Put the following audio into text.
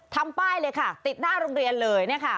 ทำป้ายเลยค่ะติดหน้าโรงเรียนเลยเนี่ยค่ะ